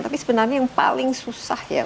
tapi sebenarnya yang paling susah ya